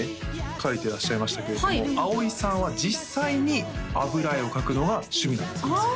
描いていらっしゃいましたけども葵さんは実際に油絵を描くのが趣味なんだそうですよ